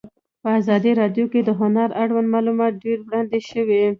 په ازادي راډیو کې د هنر اړوند معلومات ډېر وړاندې شوي.